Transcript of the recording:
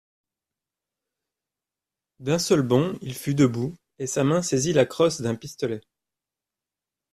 D'un seul bond il fut debout, et sa main saisit la crosse d'un pistolet.